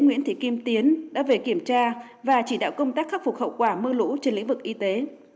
nguyễn thị kim tiến đã về kiểm tra và chỉ đạo công tác khắc phục hậu quả mưa lũ trên lĩnh vực y tế